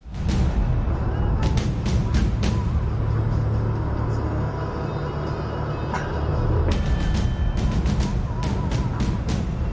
สวัสดีครับทุกคน